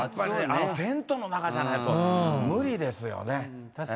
テントの中じゃないと無理ですよね。